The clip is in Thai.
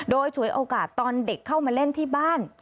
โดยฉวยโอกาสตอนเด็กเข้ามาเล่นที่บ้าน